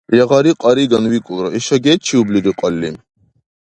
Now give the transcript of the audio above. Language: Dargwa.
— Ягъари кьариган, — викӀулра, — иша гечиублири кьалли?